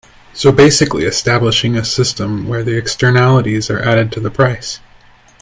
So basically establishing a system where the externalities are added to the price.